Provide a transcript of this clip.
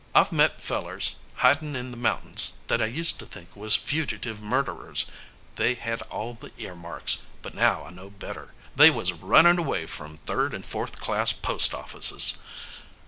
"I've met fellers hidin' in the mountains that I used to think was fugitive murderers they had all the earmarks but now I know better; they was runnin' away from third and fourth class post offices.